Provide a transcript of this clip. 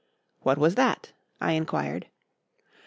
"What was that?" I inquired.